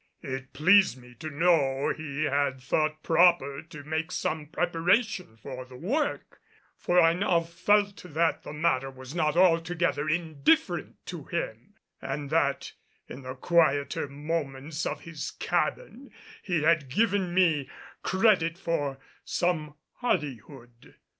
It pleased me to know he had thought proper to make some preparation for the work, for I now felt that the matter was not altogether indifferent to him, and that, in the quieter moments of his cabin, he had given me credit for some hardihood.